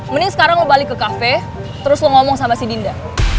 mending sekarang lo balik ke kafe terus lo ngomong sama si dinda